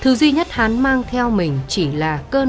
thứ duy nhất hán mang theo mình chỉ là cơn